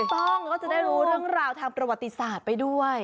ไม่ต้องเราจะได้รู้ทั้งราวทางประวัติศาสตร์ไปด้วย